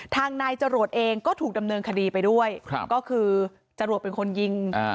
ทางนายจรวดเองก็ถูกดำเนินคดีไปด้วยก็คือจรวดเป็นคนยิง